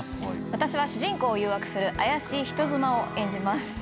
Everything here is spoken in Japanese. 私は主人公を誘惑する怪しい人妻を演じます。